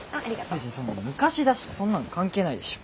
別にそんな昔だしそんなの関係ないでしょ。